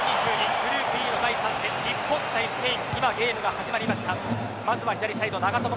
グループＥの第３戦日本対スペイン今ゲームが始まりました。